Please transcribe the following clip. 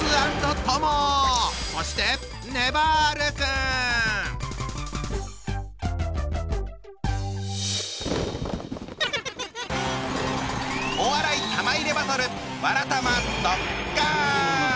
そしてお笑い玉入れバトル